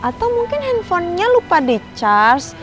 atau mungkin handphonenya lupa di charge